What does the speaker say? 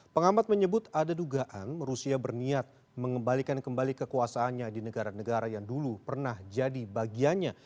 pengamat menyebut ada dugaan rusia berniat mengembalikan kembali kekuasaannya di negara negara yang dulu pernah jadi bagiannya